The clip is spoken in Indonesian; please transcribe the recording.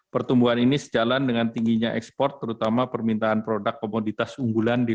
pertumbuhan ini sejalan dengan tingginya ekspor terutama permintaan produk komoditas unggulan di